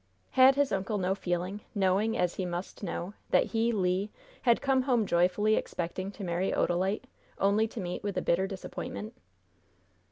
Had his uncle no feeling, knowing, as he must know, that he, Le, had come home joyfully expecting to marry Odalite, only to meet with a bitter disappointment?